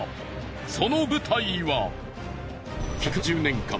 その舞台は。